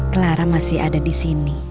clara masih ada disini